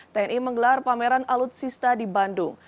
tni menggelar pameran alutsista di bandung